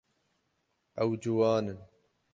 Ew ciwan in.